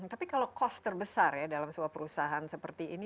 tapi kalau cost terbesar ya dalam sebuah perusahaan seperti ini